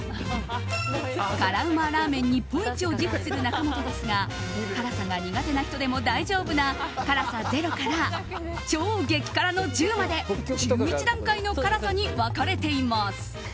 辛うまラーメン日本一を自負する中本ですが辛さが苦手な人でも大丈夫な辛さ０から超激辛の１０まで１１段階の辛さに分かれています。